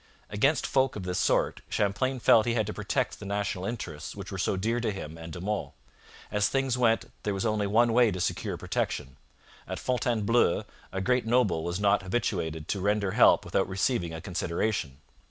Against folk of this sort Champlain felt he had to protect the national interests which were so dear to him and De Monts. As things then went, there was only one way to secure protection. At Fontainebleau a great noble was not habituated to render help without receiving a consideration.